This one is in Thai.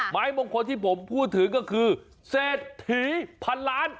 ไม้มงคลที่ผมพูดถึงก็คือเศรษฐีพันล้าน